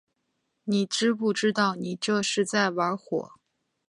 你知不知道你这是在玩火